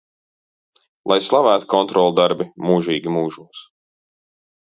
Lai slavēti kontroldarbi mūžīgi mūžos!